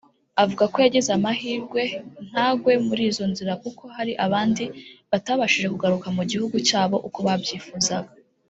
Avuga ko yagize amahirwe ntagwe muri izo nzira kuko hari abandi batabashije kugaruka mu gihugu cyabo uko babyifuzaga